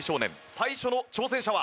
最初の挑戦者は。